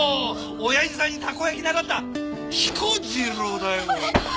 親父さんにたこ焼き習った彦次郎だよ。